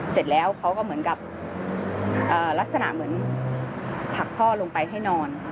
เสร็จแล้วเขาก็เหมือนกับลักษณะเหมือนผลักพ่อลงไปให้นอน